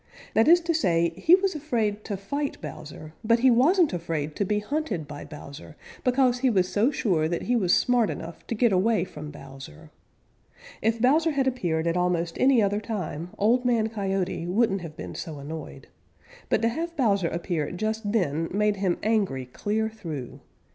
That is to say he was afraid to fight Bowser, but he wasn't afraid to be hunted by Bowser, because he was so sure that he was smart enough to get away from Bowser. If Bowser had appeared at almost any other time Old Man Coyote wouldn't have been so annoyed. But to have Bowser appear just then made him angry clear through.